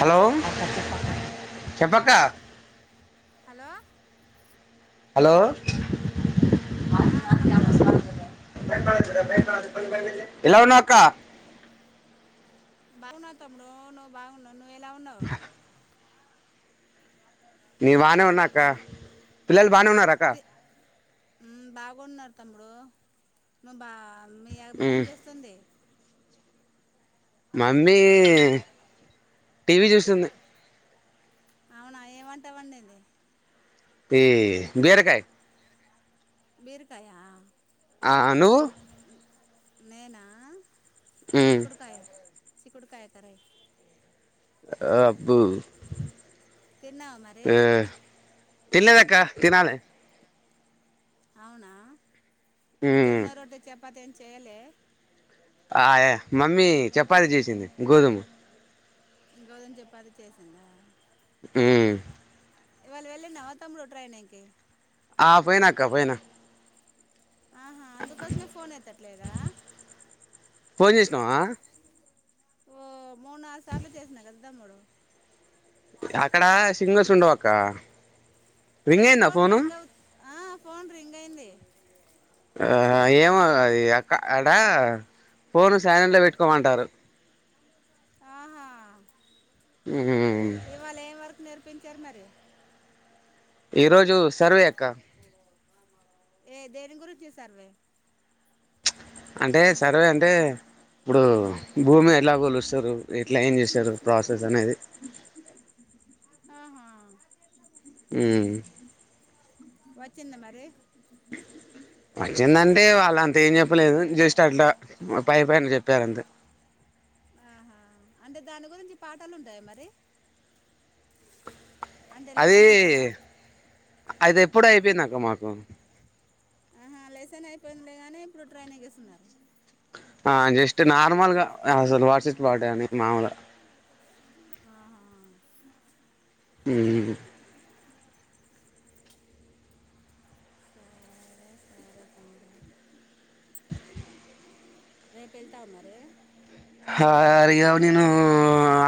Hello hello చెప్పక్కా. Hello hello ఆ తమ్ముడూ ఎలా ఉన్నావ్ అక్క బాగున్నాను తమ్ముడు నువ్వు బాగున్నావా నువ్వెలా ఉన్నావ్ నే బానే ఉన్నా అక్క. పిల్లలు బానే ఉన్నారా అక్కా ఉన్నారు తమ్ముడు ను బా మీ అమ్మ ఏం మ్మ్ చేస్తుంది. మమ్మీ టీవీ చూస్తుంది. అవునా ఏం వంట వండింది. ఏ బేరకాయి బీరకాయా ఆ నువ్వు నేనా మ్మ్ చిక్కుడుకాయ చిక్కుడుకాయ కర్రీ ఆ అబ్బో తిన్నావా మరీ తిన్లేదక్క తినాలే అవునా మ్మ్ జొన్న రోట్ట చెప్ చపాతీ ఏం చేయలే ఆయ మమ్మీ చపాతి చేసింది గోధుమ గోధుమ చపాతీ చేసిందా ఉ ఇవాళ వెళ్ళినవా తమ్ముడు ట్రైనింగ్ కి ఆ పోయినాక్క పోయినా ఆహా అందుకోసమే ఫోన్ ఎత్తట్లేదా పోన్ చేసినవా ఓ మూడు నాలుగు సార్లు చేసినా కదా తమ్ముడు గా అక్కడ సిగ్నల్స్ ఉండవు అక్క ఏ రింగ్ అయిందా ఫోన్ ఫోను రింగ్ అవు ఆ పోన్ రింగ్ అయింది ఆ ఏమో అది అక్క అడా ఫోన్ సైలెంట్ల పెట్టుకోమంటారు ఆహా ఇవాళ ఏం వర్క్ నేర్పించారు మరి ఈ రోజు సర్వే అక్క ఏ దేని గురించి సర్వే అంటే సర్వే అంటే ఇప్పుడు భూమి ఎలా కొలుస్తారు ఎట్లా ఏం చేస్తారు ప్రాసెస్ అనేది ఆహా ఉ వచ్చింద మరి వచ్చిందంటే వాళ్ళు అంత ఏం చెప్పలేదు జస్ట్ అట్లా పై పైన చెప్పారు అంతే ఆహా అంటే దాని గురించి పాటాలు ఉంటాయా మరి అంటే అది లేసన్ ఉంటద అది ఎప్పుడో అయిపోయింది అక్క మాకు ఆహా లెసన్ అయిపోయిందిలేగానీ ఇప్పుడు ట్రైనింగు ఇస్తున్నారు ఆ జస్ట్ నార్మల్ గ అసలు వాట్ ఇస్ వాట్ అని మాములుగ ఆహా ఉమ్ సరే సరే తమ్ముడు రేపు వెళ్తావ మరి హరిగ నేను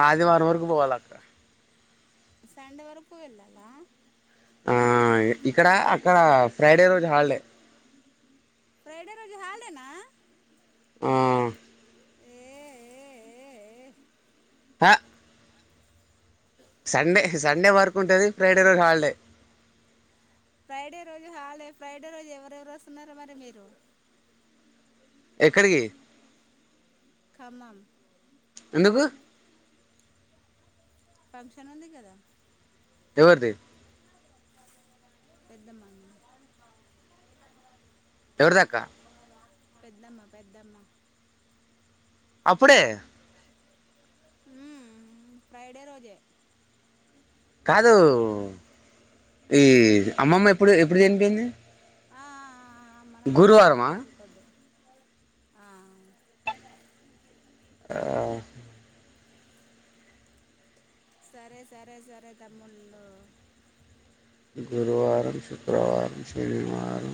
ఆదివారం వరకు పోవాల అక్క సండే వరకు వెళ్ళాల ఆ ఇక్కడ అక్కడ ఫ్రైడే రోజు హాలిడే ఫ్రైడే రోజు హాలిడే నా ఆ ఏ ఏ ఏ ప సండే సండే వరకు ఉంటది ఫ్రైడే రోజు హాలిడే ఫ్రైడే రోజు హాలీడే ఫ్రైడే రోజు ఎవరెవరు వస్తున్నారు మరి మీరు ఎక్కడికి ఖమ్మం ఎందుకు పంక్షన్ ఉంది కదా ఎవరిది పెద్దమ్మ అన్న ఎవరిది అక్క పెద్దమ్మ పెద్దమ్మ అప్పుడే హు మ్ ఫ్రైడే రోజే కాదు ఈ అమ్మమ్మ ఎప్పుడు ఎప్పుడు చనిపోయింది ఆ మనం అలాంటి గురువారమా టాపిక్ వద్దు ఆ ఆ సరే సరే సరే తమ్ముళ్ళు గురువారం శుక్రవారం శనివారం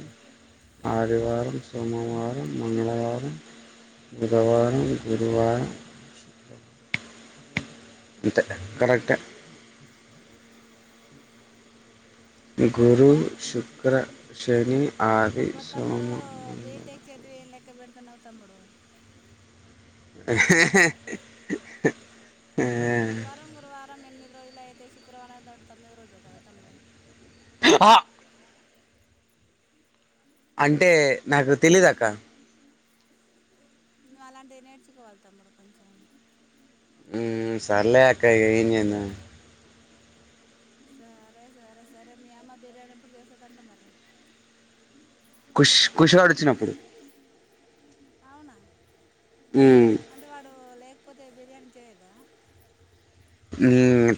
ఆదివారం సోమవారం మంగళవారం బుధవారం గురువారం అంతే కరెక్టే గురు హలో శుక్ర శని ఆది అబ్బబ్బబ్బా సోమ ఎక్కడ బెడ్తనావ్ తమ్ముడు గురువారం గురువారం ఎనిమిది రోజులు అయితే శుక్రవారంతో తొమ్మిది రోజులు కదా తమ్ముడు ఆ అంటే నాకు తెలీదక్క నువ్వు అలాంటివి నేర్చుకోవాలి తమ్ముడు కొంచెం ఊ సర్లే అక్క ఇగా ఏం జెద్ధం సరే సరే సరే మీ అమ్మ బిర్యానీ ఏప్పుడు చేస్తదంట మరి కుష్ కుషిగాడు వచ్చినప్పుడు అవునా ఉమ్ అంటే వాడు లేక్ ఇప్పతే బిర్యాణి చేయదా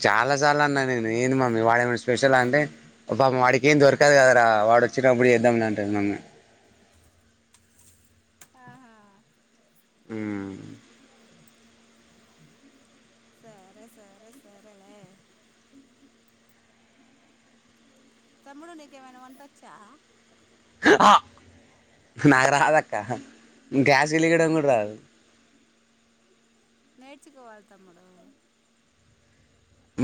చాలా సార్లు అన్నా నేను ఏ మమ్మీ వాడేమనా స్పెషల్ అంటే పాపం వాడికి ఏం దొరకదు కదరా వాడు వచ్చినప్పుడు తమ్ముని అంటది మమ్మీ ఆహా ఊ సరే సరే సరేలే తమ్ముడు నీకేమన్నా వంటచ్చా ఊ ఆ నాకు రాదక్క గ్యాస్ ఇలిగయడం కూడా రాదు నేర్చుకోవాలి తమ్ముడు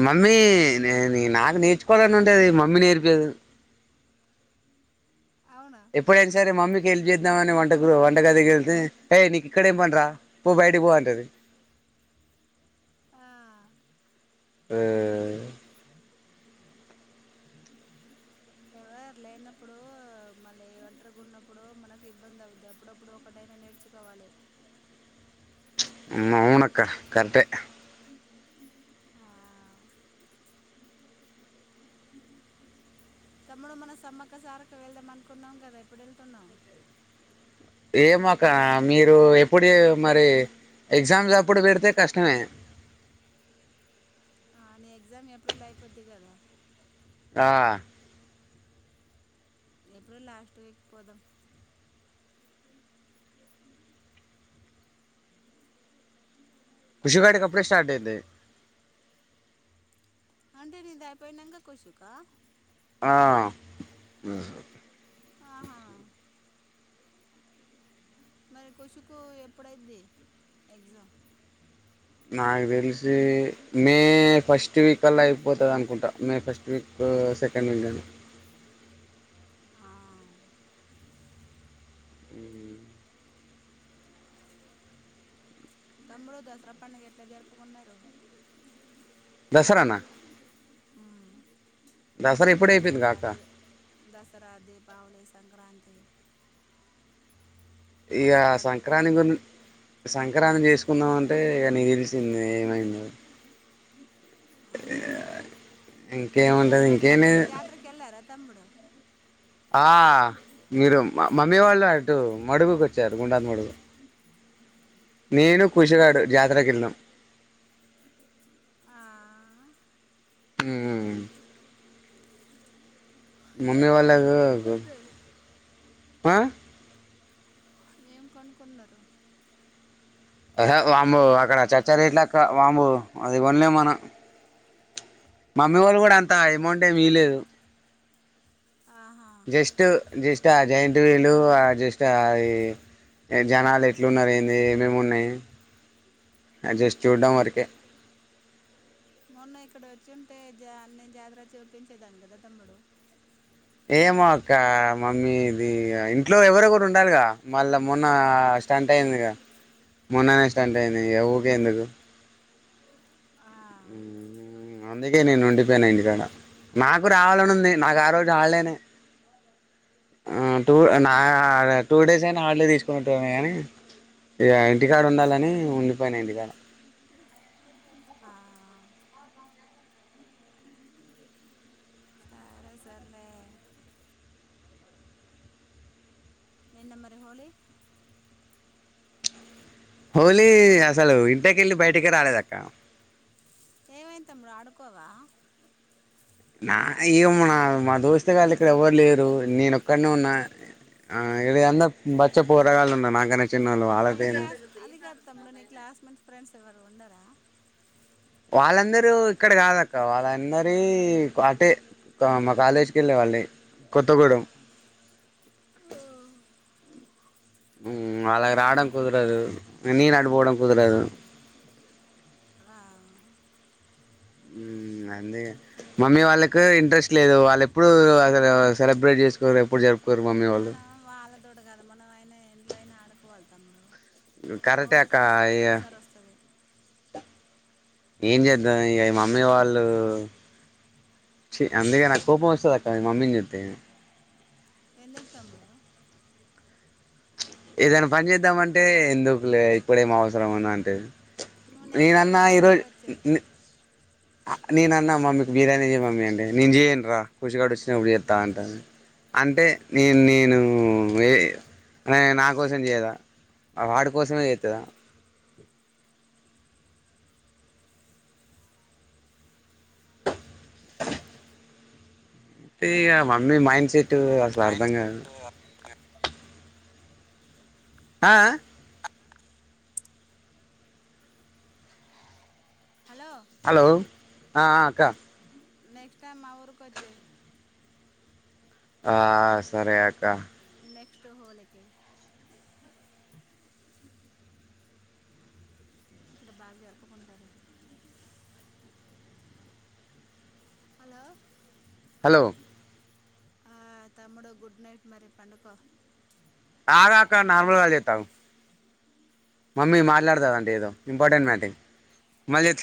మమ్మీ నే నాకు నేర్చుకోవాలని ఉంటేది మమ్మీ నేర్పేది అవునా ఎప్పుడునా సే మమ్కి వెళ్లి చేద్దామని వంటకు వంటగదికి వెళ్తే, ఏయ్ నీకు ఇక్కడేం పన రా పో బయట పోంటది ఆ ఆ ఎవరు లేనప్పుడు, మళ్ళీ ఒంటరిగా ఉన్నప్పుడు మనకు ఇబ్బంది అవుద్ది అప్పుడప్పుడు ఒకటైనా నేర్చుకోవాలి అవున అక్క కరట్టే ఆ తమ్ముడు మనం సమ్మక్క సారకు వెళ్దాం అనుకున్నాం కదా, ఇప్పుడు వెళ్తున్నాం ఏమ క ఒక మీరు ఎప్పుడు మరి ఎగ్జామ్స్ అప్పుడు పెడితే కష్టమే నే ఎగ్జామ్ ఏప్రిల్ అయిపోద్ది కదా ఆ ఏప్రిల్ లాస్ట్ వీక్ పోదాం కృషుగాడి కప్పుడే స్టార్ట్ అయింది అంటే నేంత అయిపోయినాక కొషక ఆ ఆ హ మరి కొషుకు ఎప్పుడైది ఎగ్జామ్ నాకు తెలిసి మే ఫస్ట్ వీక్ అల్లా అయిపోతుంది అనుకుంటా మే ఫస్ట్ వీక్ సెకండ్ వీక్ని ఆ ఉ తమ్ముడు దసరా పండుగ ఎట్లా జరుపుకున్నారు దసరానా దసరా ఇప్పుడే అయిపోయింది కా అక్క దసరాది దసరా దపావలే సంక్రాంతి ఇక దసరా సంక్రాంతి దీపావళి గురి సంక్రాంతి చేసి చసుకుందమంటే ఇక ని నిలిచింది ఏమైంది ఆ మీరు ఇంకేముంటది దసరా ఇంకేం జాత లేదు జాతరకు వెళ్ళారా తమ్ముడు ఆ మీరు మమ్మీ వాళ్ళు అటు మడుగుకు వచ్చారు గుండా మడుగు నేను కుషగాడు జాతకిిళ్ందం ఆ హమ్ మమ్మీ ఏం వాళ్ కొనుకు కొనుక్కున్నారు వఆ ఏం కనుకున్నారు దే వాంబు అక్కడ చచ్చరట్లక్క వాంబు అది వన్లే మన మమ్ వాళ్ళ అవునా కూడా అంతాయి మం అంటే మీలేదు ఆ జస్ట్ జస్ట్ ఆ జైట్ వీలు ఆ జస్ట్ అ జనాలు ఎట్లున్న అంది ఏమేమి ఉన్నాయి జస్ట్ చూడ్డం వరకే మొన్న ఇక్కడ వచ్చింటే జ అన్ని జాతర చూపించేదాన్ని కదా తమ్ముడు ఏమో ఒకక్క మమ్మీ ఇది ఇంట్లో ఎవర ఒకరు ఉండాలిగా మళ్ళా మొన్న స్టంట్ అయింది మొన్ననే టయి ఆ ఏ ఊగాయికు ఆ అందుకే నేను ఉండిపోయినా ఇంటికాడ నాకు రావాలని ఉంది నాకు ఆ రోజు వాడలేనే టూ నా టూ డేస్ అయినా హార్డలే తీసుకుని కానీ ఇ ఇంటికాడు ఉండాలని ఉండిపోయినా ఇంటికాడ ఆ సరే సర్లే నేయి నెబరి హోలీ హోలీ అసలు ఇంటకిళ్ళ బయటికిారు ఆలేద అక్క ఏవాైైన తముడు ఆడుకోవా నా ఇ నా మా దోస్తుగాళ్ ఇక్కడ ఎవ్వరు లేరు నేను ఒక్కడనే ఉన్నా ఆ ఇద అంత బచ్చపోరగాళ్లు ఉన్నా నాక న క్లాస్ అదికార తముడ న క్లాస్మె ఫ్రెండ్స్ ఎవరు ఉండరా వాళ్ళందరూ ఇక్కడ కాదక్క వాళ్ళందరి అటే మా కాలేజీకి వెళ్ళే వాళ్ళి కొత్తగూెం అలాగ రావడం కుదరదు నేను అడుపోవడం కుదరదు ఆ అదే మమ్మీ వాళ్ళకి ఇంట్రెస్ట్ లేదు వాళ్ళ ఎప్పుడు అసలు సెలబ్రేట్ చేసుకో ఎప్పుడు జరుపు మనం వాళ్ళ తోడు కదా మనం ఆయన ఇంట్లో అయినా ఆడ కూకో వెాలాము కరెక్టే పోలీ అక్క సంవత్సరానికి ఇగ ఒకసారి వస్తుంది ఏం చేద్దా ఇ మమ్మీ వాళ్ళు అందుకే నాకు కోపం వస్తుంది అక్కడ మమ్మీని చస్తతే ఎందుకు తమ్ముడు ఏదైనా పని చేద్దామంటే ఎందుకు లే ఇప్పుడ ఏం అవసరం ఉంద అంటేది నువ్వు నెక్స్ట్ ఇయర్ నేనన్నా మా ఈరోజు ఊరికి వచ్చేయి నేను అన్నా మమ్మీకు బిర్యానీ చే మమ్మీ అంటడి నేను చేయను రా కూర్చిగాడ వచ్చినప్పుడు చేస్తాను అంట అంటే నే నేను నా కోసం చేయదా వాడి కోసమే చేస్తుదా మ అన్నీ మైండ్ సెట్ మా అసలు ఊరికి వచ్చేయి అర్ధంగా ఆ హలో హలో ఆ అక్క నెక్స్ట్ టైమ్ మా ఊరుకి వచ్చాయి ఆ సరే అక్క నెక్స్ట్ హోలీ కి ఇక్కడ బాగా జరుపుకుంటారు హలో హలో ఆ తమ్ముడు గుడ్ నైట్ మరి పండుకో ఆగాక నార్మల్గా చెత్త ఆగు మమ్మీ మాట్లాడుతదండి ఏదో ఇంపార్టెంట్ మ్యాటింగ్ మళ